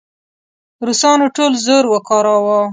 روسانو ټول زور وکاراوه.